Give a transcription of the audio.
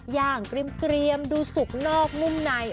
อย่างเกลียมดูสุกนอกนุ่มใน